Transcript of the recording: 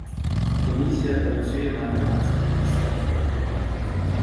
Комісія працює на громадських засадах.